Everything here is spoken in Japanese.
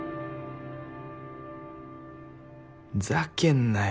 ふざけんなよ